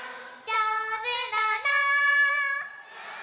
「じょうずだな」